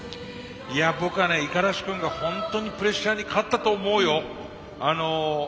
いや僕はね五十嵐君がホントにプレッシャーに勝ったと思うよ。